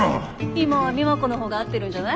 今は美摩子の方が合ってるんじゃない？